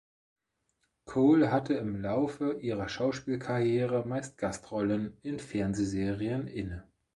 Cole hatte im Laufe ihrer Schauspielkarriere meist Gastrollen in Fernsehserien inne.